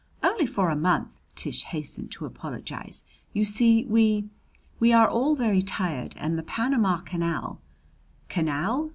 "Only for a month," Tish hastened to apologize. "You see, we we are all very tired, and the Panama Canal " "Canal?